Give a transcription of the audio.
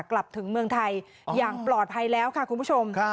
กลับถึงเมืองไทยอย่างปลอดภัยแล้วค่ะคุณผู้ชม